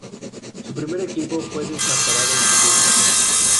Su primer equipo fue Desamparados de San Juan.